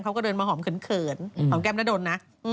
เขาก็เดินมาหอมเขื่นเขื่นบุ๊คมาอ่ำแก้มน้าดนนะ